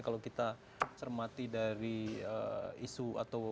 kalau kita cermati dari isu atau